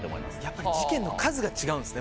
やっぱり事件の数が違うんすね。